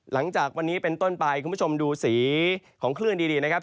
หลังจากวันนี้เป็นต้นไปคุณผู้ชมดูสีของคลื่นดีนะครับ